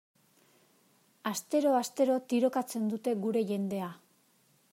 Astero-astero tirokatzen dute gure jendea.